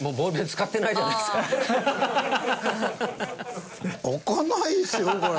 開かないですよこれ。